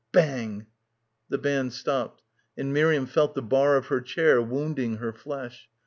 /" Bang. The band stopped and Miriam felt the bar of her chair wounding her flesh.